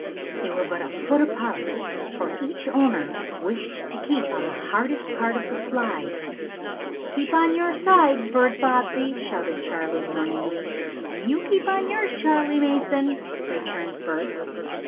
They were but a foot apart, for each owner wished to keep on the hardest part of the slide. "Keep on your side, Bert Bobbsey!" shouted Charley warningly. "And you keep on yours, Charley Mason!" returned Bert.